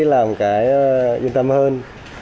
làm cái yên tâm hơn